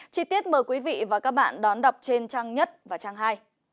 chi tiết mời quý vị và các bạn đón đọc trên trang nhất và trang hai